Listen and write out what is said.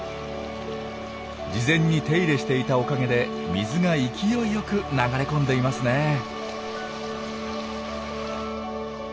事前に手入れしていたおかげで水が勢いよく流れ込んでいますね。